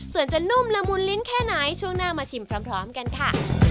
ส่วนจะนุ่มละมุนลิ้นแค่ไหนช่วงหน้ามาชิมพร้อมกันค่ะ